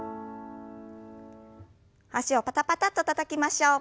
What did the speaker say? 脚をパタパタッとたたきましょう。